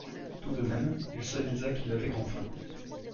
Tout de même il s'avisa qu'il avait grand faim.